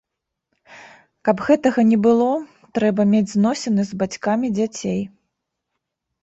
Каб гэтага не было, трэба мець зносіны з бацькамі дзяцей.